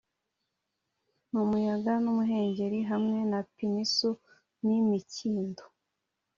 numuyaga n'umuhengeri, hamwe na pinusi n'imikindo;